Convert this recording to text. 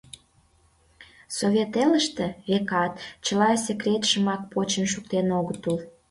Совет элыште, векат, чыла секретшымак почын шуктен огытыл...